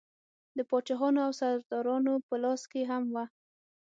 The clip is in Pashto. د پاچاهانو او سردارانو په لاس کې هم وه.